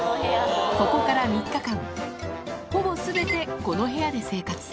ここから３日間、ほぼすべてこの部屋で生活。